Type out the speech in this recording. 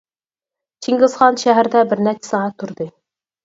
چىڭگىزخان شەھەردە بىر نەچچە سائەت تۇردى.